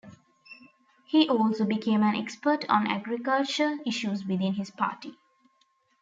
He also became an expert on agricultural issues within his party.